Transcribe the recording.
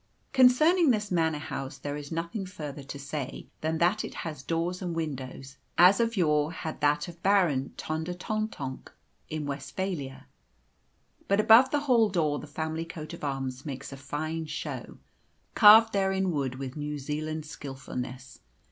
Concerning this Manor House, there is nothing further to say than that it has doors and windows, as of yore had that of Baron Tondertontonk in Westphalia. But above the hall door the family coat of arms makes a fine show, carved there in wood with New Zealand skilfulness.